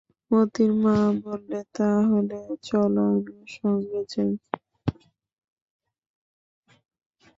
মোতির মা বললে, তা হলে চলো আমিও সঙ্গে যাই।